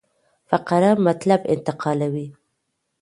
فقره مطلب انتقالوي.